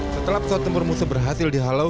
setelah pesawat tempur musuh berhasil dihalau